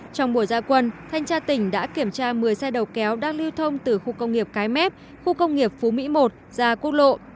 trong buổi ra quân thanh tra tỉnh đã kiểm tra một mươi xe đầu kéo đang lưu thông từ khu công nghiệp cái mép khu công nghiệp phú mỹ một ra quốc lộ